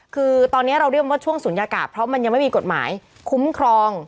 คือตอนนี้เราเรียกว่าช่วงศูนยากาศเพราะมันยังไม่มีกฎหมายคุ้มครอง